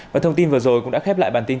và thông tin vừa rồi cũng đã khép lại bản tin